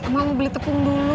mau beli tepung dulu